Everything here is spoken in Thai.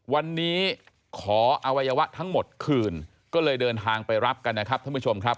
วันนี้ขออวัยวะทั้งหมดคืนก็เลยเดินทางไปรับกันนะครับท่านผู้ชมครับ